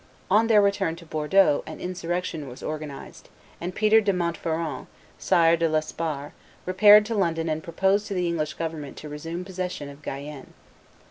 On their return to Bordeaux an insurrection was organized; and Peter de Montferrand, Sire de Lesparre, repaired to London and proposed to the English government to resume possession of Guyenne.